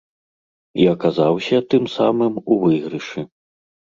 І аказаўся, тым самым, у выйгрышы.